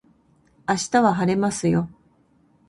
明日は晴れますよ